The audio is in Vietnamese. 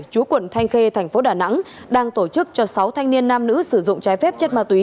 chúa quận thanh khê tp đà nẵng đang tổ chức cho sáu thanh niên nam nữ sử dụng trái phép chất ma túy